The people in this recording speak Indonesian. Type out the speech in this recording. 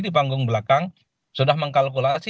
di panggung belakang sudah mengkalkulasi